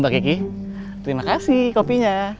mbak kiki terima kasih kopinya